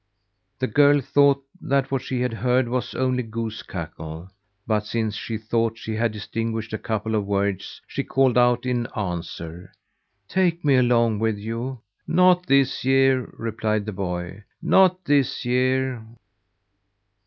The girl thought that what she had heard was only goose cackle; but since she thought she had distinguished a couple of words, she called out in answer: "Take me along with you!" "Not this year," replied the boy. "Not this year."